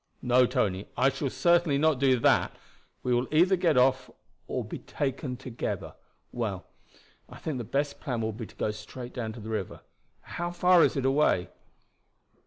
"No, Tony, I shall certainly not do that. We will either get off or be taken together. Well, I think the best plan will be to go straight down to the river. How far is it away?"